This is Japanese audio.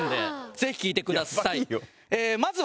ぜひ聞いてください。